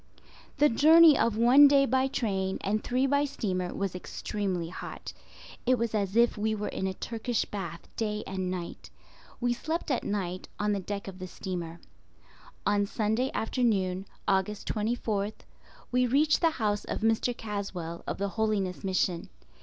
The journey of one day by train and three by steamer was extremely hot. It was as if we were in a Turkish bath day and night. We slept at night on the deck of the steamer. On Sunday afternoon, Aug. 24th, we reached the house of Mr. Caswell of the Holiness Mission.